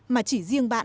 mà chỉ riêng bạn mới có